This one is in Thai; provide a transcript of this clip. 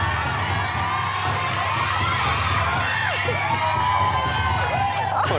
โอ้โฮ